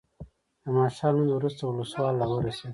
د ماښام لمونځ وروسته ولسوال راورسېد.